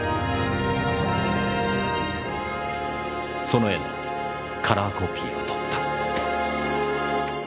その絵のカラーコピーを取った。